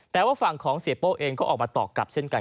แต่ว่าฝั่งของเสียโป้เองก็ออกมาตอบกลับเช่นกัน